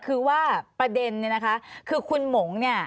คือว่าประเด็นเนี่ยนะคะคือคุณหมงเนี่ย